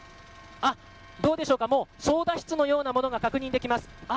どうでしょうか、操舵室のようなものが確認できます。